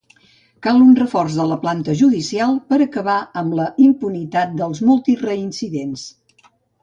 Cal un reforç de la planta judicial per acabar amb la impunitat dels multireincidents